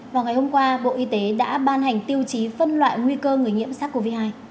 vào ngày hôm qua bộ y tế đã ban hành tiêu chí phân loại nguy cơ người nhiễm sars cov hai